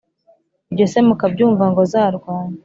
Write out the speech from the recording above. ibyo se mukabyumva ngo zarwanye.